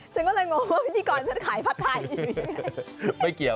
ฉันก็เลยงงว่าพิธีกรจะขายผัดไทยอยู่อย่างไร